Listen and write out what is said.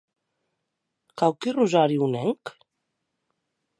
Quauqui rosari unenc?